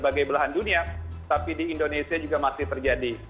sebagai belahan dunia tapi di indonesia juga masih terjadi